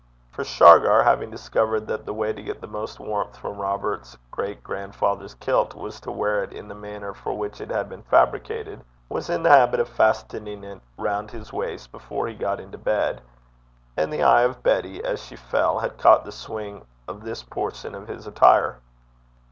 For Shargar, having discovered that the way to get the most warmth from Robert's great grandfather's kilt was to wear it in the manner for which it had been fabricated, was in the habit of fastening it round his waist before he got into bed; and the eye of Betty, as she fell, had caught the swing of this portion of his attire.